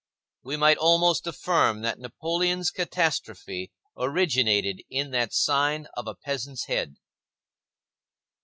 We might almost affirm that Napoleon's catastrophe originated in that sign of a peasant's head.